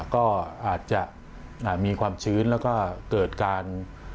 ก็อาจจะมีความชื้นแล้วก็เกิดการ